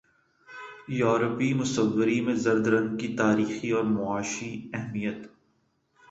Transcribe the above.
یورپی مصوری میں زرد رنگ کی تاریخی اور معاشی اہمیت